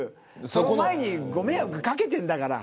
その前にご迷惑をかけてんだから。